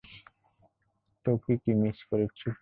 তো, কী কী মিস করেছি?